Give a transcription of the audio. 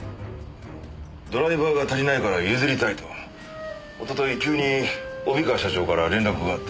ドライバーが足りないから譲りたいとおととい急に帯川社長から連絡があって。